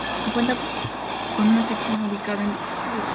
Cuenta con una sección territorial ubicada en Valladolid.